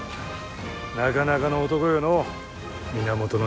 なかなかの男よのう源頼朝。